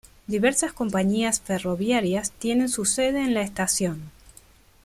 Diversas compañías ferroviarias tienen su sede en la estación.